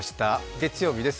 月曜日です。